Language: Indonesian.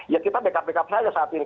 ya kita dekap dekap saja saat ini